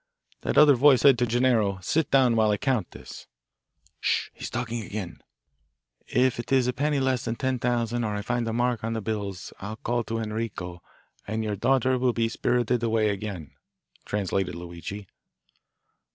"That other voice said to Gennaro, 'Sit down while I count this.'" "Sh! he's talking again." "If it is a penny less than ten thousand or I find a mark on the bills I'll call to Enrico, and your daughter will be spirited away again," translated Luigi.